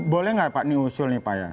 boleh nggak pak ini usul nih pak ya